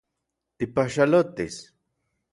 ¿Tipaxalotis?